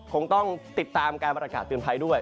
คงต้องติดตามการประกาศเตือนภัยด้วย